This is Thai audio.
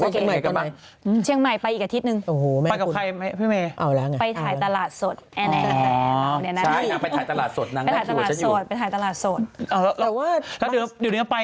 กลับไปพรุ่งมือใหม่กันหรือไม